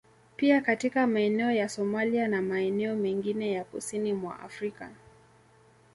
Pia katika maeneo ya Somalia na maeneo mengine ya kusini mwa Afrika